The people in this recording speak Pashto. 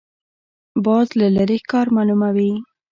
باز له لرې ښکار معلوموي